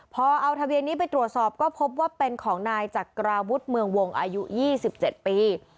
พอเอาทะเบียนนี้ไปตรวจสอบก็พบว่าเป็นของนายจักราวุฒิเมืองวงอายุ๒๗ปี